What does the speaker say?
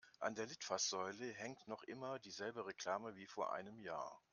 An der Litfaßsäule hängt noch immer dieselbe Reklame wie vor einem Jahr.